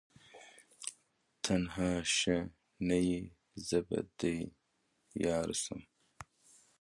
تنها ښه نه یې زه به دي یارسم